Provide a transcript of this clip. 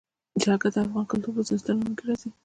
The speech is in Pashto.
جلګه د افغان کلتور په داستانونو کې راځي.